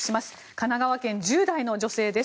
神奈川県、１０代の女性です。